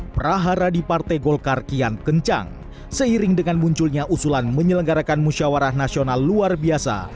prahara di partai golkar kian kencang seiring dengan munculnya usulan menyelenggarakan musyawarah nasional luar biasa